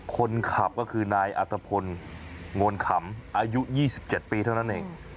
คนขับก็คือนายอัตภพลมวลขำอายุ๒๗ปีเท่านั้นเอง